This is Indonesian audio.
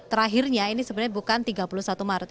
terakhirnya ini sebenarnya bukan tiga puluh satu maret